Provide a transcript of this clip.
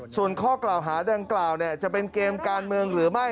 ส่วนข้อกล่าวหาดังกล่าวจะเป็นเกมการเมืองหรือไม่